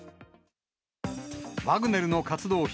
ワグネルの活動費